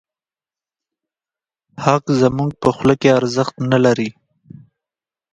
حق زموږ په خوله کې ارزښت نه لري.